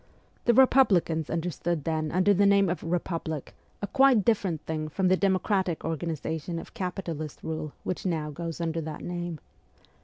The republicans understood then under the name of ' republic ' a quite different thing from the democratic organization of capitalist rule which now goes under that name.